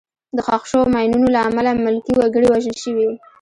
د ښخ شوو ماینونو له امله ملکي وګړي وژل شوي.